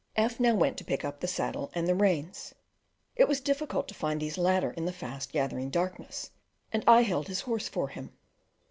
F now went to pick up the saddle and the reins; it was difficult to find these latter in the fast gathering darkness and I held his horse for him.